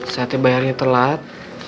saya bayarnya telat